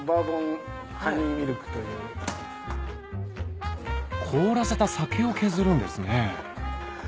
えっ⁉凍らせた酒を削るんですね